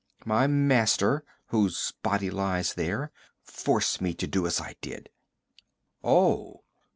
My master whose body lies there forced me to do as I did.' 'Oh!'